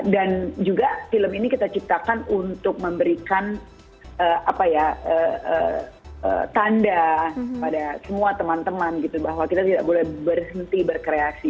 dan juga film ini kita ciptakan untuk memberikan apa ya tanda pada semua teman teman gitu bahwa kita tidak boleh berhenti berkreasi